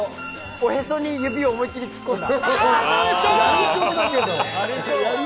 おへそに指を思いっきり突っ込んだ。